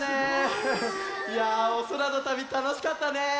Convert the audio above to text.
いやおそらのたびたのしかったね。